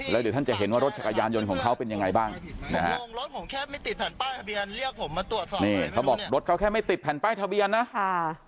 แล้วเดี๋ยวท่านจะเห็นว่ารถจักรยานยนต์ของเขาเป็นยังไงบ้างนะฮะเขาบอกรถเขาแค่ไม่ติดแผ่นป้ายทะเบียนนะค่ะ